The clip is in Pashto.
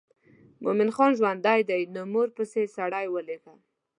مومن خان ژوندی دی نو مور پسې سړی ولېږه.